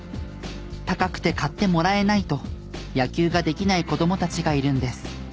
「高くて買ってもらえない」と野球ができない子供たちがいるんです。